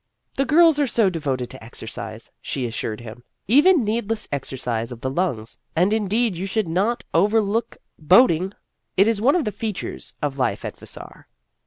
" The girls are so devoted to exercise," she assured him, " even needless exercise of the lungs. And indeed you should not For the Honor of the Class 167 overlook boating. It is one of the features of life at Vassar."